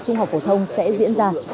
trung học phổ thông sẽ diễn ra